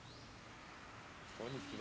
こんにちは。